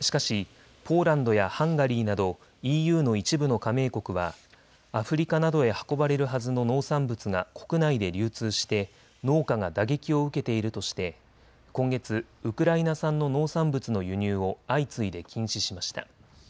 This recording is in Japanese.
しかしポーランドやハンガリーなどＥＵの一部の加盟国はアフリカなどへ運ばれるはずの農産物が国内で流通して農家が打撃を受けているとして今月、ウクライナ産の農産物の輸入を相次いで禁止しました。